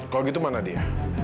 kalau gitu mana dia